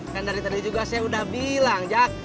kan dari tadi juga saya udah bilang ya